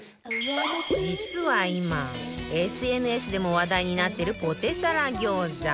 実は今 ＳＮＳ でも話題になってるポテサラ餃子